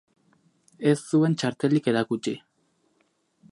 Ez zuen txartelik erakutsi.